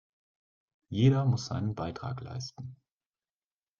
Jeder muss seinen Beitrag leisten.